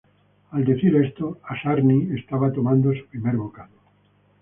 Al decir esto, Asami estaba tomando su primer bocado.